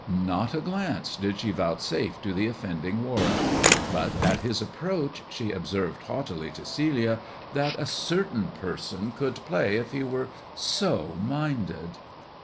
Not a glance did she vouchw^fe to the offending Warwick ; but at his approach she observed haughtily to Celia that a certain person could play if he were so minded.